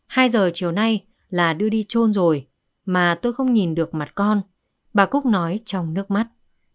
hai giờ chiều nay là đưa đi trôn rồi mà tôi không nhìn được mặt con bà cúc nói trong nước mắt